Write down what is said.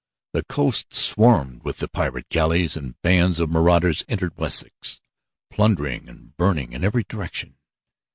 The coast swarmed with the pirate galleys and bands of marauders entered Wessex, plundering and burning in every direction.